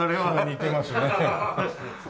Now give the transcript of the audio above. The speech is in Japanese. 似てますね。